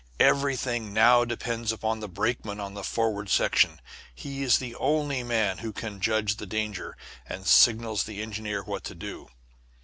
Everything now depends upon the brakeman on the forward section. He is the only man who can judge the danger, and signal the engineer what to do.